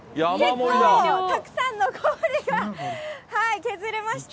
結構たくさんの氷が削れました。